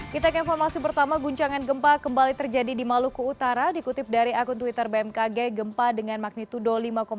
kita ke informasi pertama guncangan gempa kembali terjadi di maluku utara dikutip dari akun twitter bmkg gempa dengan magnitudo lima satu